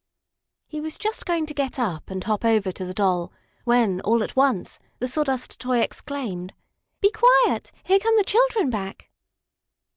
He was just going to get up and hop over to the Doll when, all at once, the Sawdust toy exclaimed: "Be quiet! Here come the children back!"